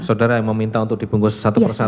saudara yang meminta untuk dibungkus satu persatu